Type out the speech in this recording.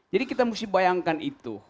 jadi kita mesti bayangkan itu